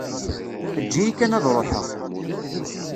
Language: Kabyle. Eǧǧ-iyi kan ad ṛuḥeɣ.